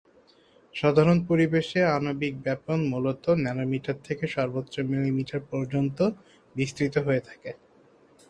সাধারণ পরিবেশে আণবিক ব্যাপন মূলত ন্যানোমিটার থেকে সর্বোচ্চ মিলিমিটার পর্যন্ত বিস্তৃত হয়ে থাকে।